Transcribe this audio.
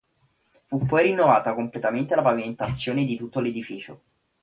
Poi fu rinnovata completamente la pavimentazione di tutto l'edificio.